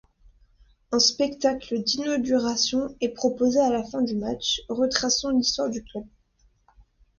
Un spectacle d'inauguration est proposé à la fin du match, retraçant l'histoire du club.